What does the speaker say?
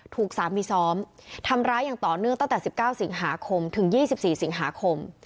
ถูกสามีซ้อมทำร้ายอย่างต่อเนื่องตั้งแต่๑๙สิงหาคมถึง๒๔สิงหาคม